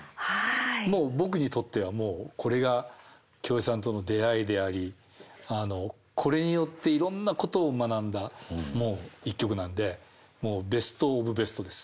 僕にとってはもうこれが京平さんとの出会いでありこれによっていろんなことを学んだ一曲なんでもうベストオブベストです。